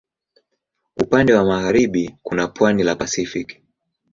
Upande wa magharibi kuna pwani la Pasifiki.